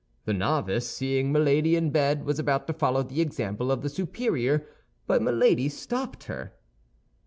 The novice, seeing Milady in bed, was about to follow the example of the superior; but Milady stopped her.